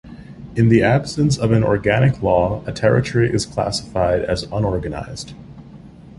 In the absence of an organic law a territory is classified as unorganized.